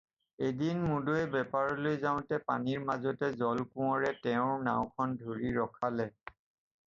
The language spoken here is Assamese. এদিন মুদৈয়ে বেপাৰলৈ যাওঁতে পানীৰ মাজতে জলকোঁৱৰে তেওঁৰ নাওখন ধৰি ৰখালে।